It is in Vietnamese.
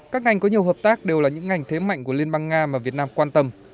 các ngành có nhiều hợp tác đều là những ngành thế mạnh của liên bang nga mà việt nam quan tâm